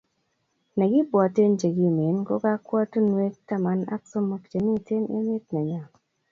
nekibwaten chekimen ko kokwatunwek taman ak somok chemiten emet nenyon